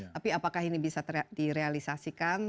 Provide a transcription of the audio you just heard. tapi apakah ini bisa direalisasikan